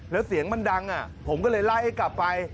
แล้วเสียงมันดังผมก็เลยไล่ให้กลับไป